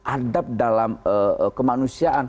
adab dalam kemanusiaan